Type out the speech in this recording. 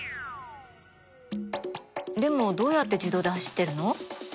でもどうやって自動で走ってるの？